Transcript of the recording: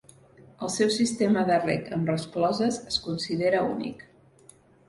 El seu sistema de reg amb rescloses es considera únic.